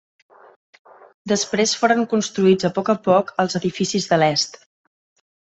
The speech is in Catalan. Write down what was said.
Després foren construïts a poc a poc, els edificis de l'est.